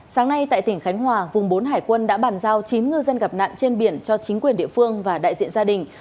sáng nay tại tỉnh khánh hòa vùng bốn hải quân đã bàn giao chín ngư dân gặp nạn trên biển cho chính quyền địa phương và đại diện gia đình